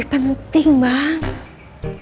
akhirnya udah sudah gitu ya anak gue